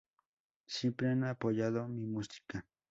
Siempre han apoyado mi música.